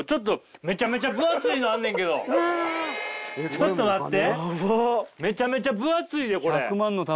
ちょっと待って。